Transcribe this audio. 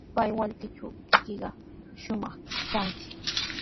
Pay wallkishuptiykiqa shumaq tranki.